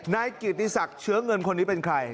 นายกิติศักดิ์เชื้อเงินคนนี้เป็นใคร